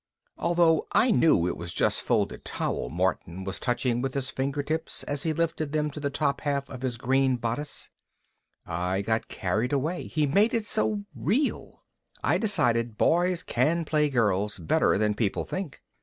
Although I knew it was just folded towel Martin was touching with his fingertips as he lifted them to the top half of his green bodice, I got carried away, he made it so real. I decided boys can play girls better than people think.